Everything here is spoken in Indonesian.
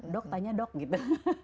dok tanya dok gitu